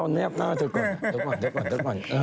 เอาแนบหน้าเจอจัดก่อน